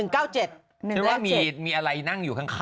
คือว่ามีอะไรนั่งอยู่ข้าง